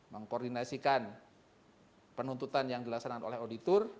mengkoordinasikan penuntutan yang dilaksanakan oleh auditor